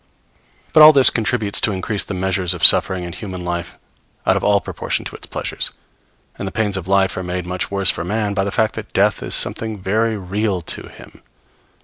But all this contributes to increase the measures of suffering in human life out of all proportion to its pleasures; and the pains of life are made much worse for man by the fact that death is something very real to him.